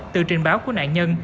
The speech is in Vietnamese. từ trình báo của nạn nhân